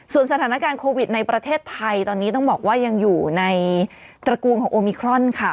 สถานการณ์โควิดในประเทศไทยตอนนี้ต้องบอกว่ายังอยู่ในตระกูลของโอมิครอนค่ะ